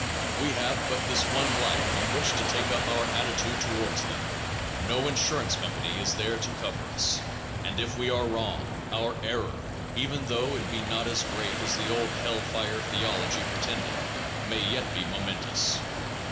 We have but this one life in which to take up our attitude towards them, no insurance company is there to cover us, and if we are wrong, our error, even though it be not as great as the old hell fire theology pretended, may yet be momentous.